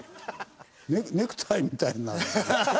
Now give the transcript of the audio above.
ネクタイみたいになってる。